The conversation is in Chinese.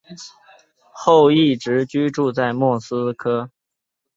后一直居住在莫斯科。